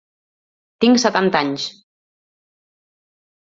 Tinc setanta anys.